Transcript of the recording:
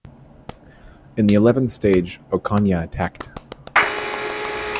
In the eleventh stage, Ocana attacked.